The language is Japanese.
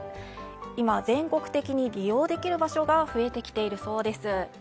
今、全国的に利用できる場所が増えてきているそうです。